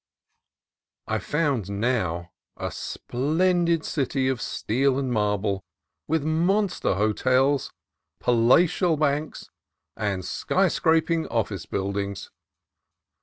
I found now a splendid city of steel and marble, with monster hotels, palatial banks, and sky scrap ing office buildings.